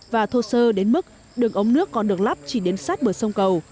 và thô sơ đến mức đường ống nước còn được lắp chỉ đến sát bờ sông cầu